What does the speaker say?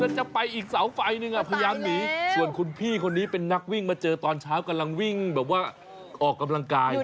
จะไปอีกเสาไฟนึงพยายามหนีส่วนคุณพี่คนนี้เป็นนักวิ่งมาเจอตอนเช้ากำลังวิ่งแบบว่าออกกำลังกาย